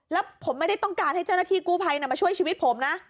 แล้วผมไม่ได้ต้องการให้เจ้าหน้าที่กู้ภัยมาช่วยชีวิตผมนะ